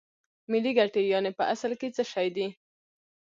ملي ګټې یانې په اصل کې څه شی دي